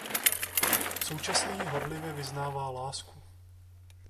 Současně jí horlivě vyznává lásku.